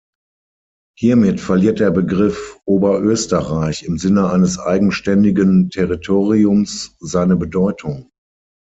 Hiermit verliert der Begriff „Oberösterreich“ im Sinne eines eigenständigen Territoriums seine Bedeutung.